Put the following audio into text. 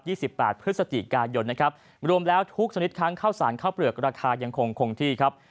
สิบแปดพฤศจิกายนนะครับรวมแล้วทุกชนิดค้างข้าวสารข้าวเปลือกราคายังคงคงที่ครับ